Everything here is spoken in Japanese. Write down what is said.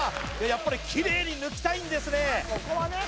やっぱりきれいに抜きたいんですね